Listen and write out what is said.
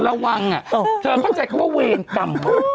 ระวังอ่ะเธอเข้าใจว่าเวรกรรม